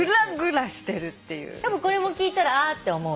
たぶんこれも聞いたらあ！って思うよ。